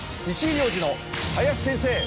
「石井亮次の林先生